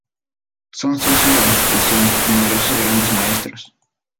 Son socios de la institución numerosos Grandes Maestros.